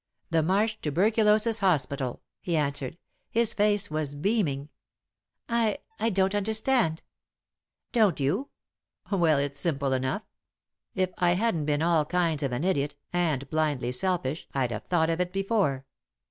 "The Marsh Tuberculosis Hospital," he answered. His face was beaming. "I I don't understand." "Don't you? Well, it's simple enough. If I hadn't been all kinds of an idiot and blindly selfish I'd have thought of it before.